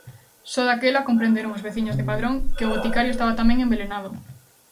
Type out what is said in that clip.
Só daquela comprenderon os veciños de Padrón que o boticario estaba tamén envelenado.